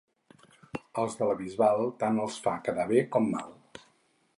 Als de la Bisbal tant els fa quedar bé com mal.